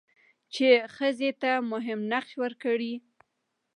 چې ښځې ته مهم نقش ورکړي؛